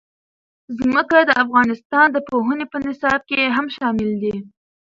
ځمکه د افغانستان د پوهنې په نصاب کې هم شامل دي.